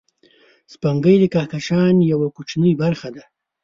سپوږمۍ د کهکشان یوه کوچنۍ برخه ده